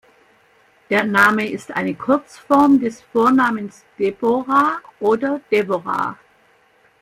Der Name ist eine Kurzform des Vornamens Deborah oder Debora.